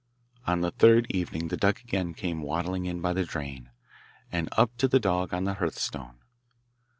On the third evening the duck again came waddling in by the drain, and up to the dog on the hearth stone.